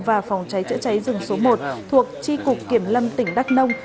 và phòng cháy chữa cháy rừng số một thuộc tri cục kiểm lâm tỉnh đắk nông